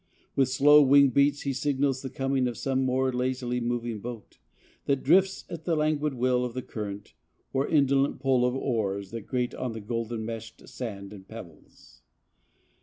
With slow wing beats he signals the coming of some more lazily moving boat, that drifts at the languid will of the current or indolent pull of oars that grate on the golden meshed sand and pebbles.